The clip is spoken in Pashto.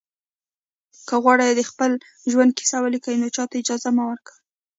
که غواړئ د خپل ژوند کیسه ولیکئ نو چاته اجازه مه ورکوئ.